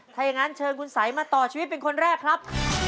ถ้าอย่างนั้นเชิญคุณสัยมาต่อชีวิตเป็นคนแรกครับ